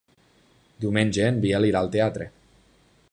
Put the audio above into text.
Diumenge en Biel irà al teatre.